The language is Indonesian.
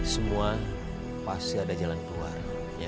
semua pasti ada jalan keluar